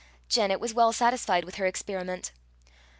Janet was well satisfied with her experiment.